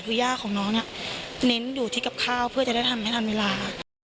แต่คุณย่าของน้องเน้นอยู่ที่กับข้าวเพื่อจะได้ทำให้ทำเวลา